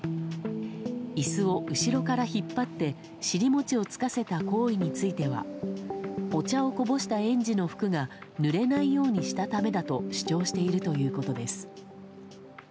椅子を後ろから引っ張って尻もちをつかせた行為についてはお茶をこぼした園児の服がぬれないようにしたためだと主張しているということです。